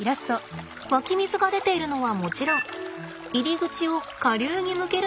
湧き水が出ているのはもちろん入り口を下流に向けるのがポイントです。